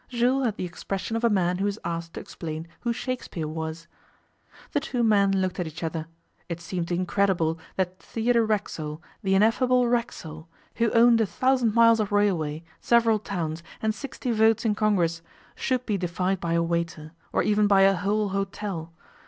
Jules had the expression of a man who is asked to explain who Shakespeare was. The two men looked at each other. It seemed incredible that Theodore Racksole, the ineffable Racksole, who owned a thousand miles of railway, several towns, and sixty votes in Congress, should be defied by a waiter, or even by a whole hotel.